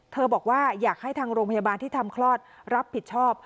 บอกว่าอยากให้ทางโรงพยาบาลที่ทำคลอดรับผิดชอบ